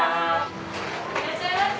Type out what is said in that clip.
いらっしゃいませ。